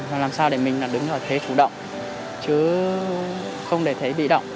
và làm sao để mình đứng ở thế chủ động chứ không để thế bị động